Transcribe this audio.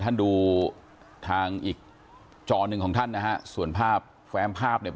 ท่านดูทางอีกจอหนึ่งของท่านนะฮะส่วนภาพแฟมภาพเนี่ย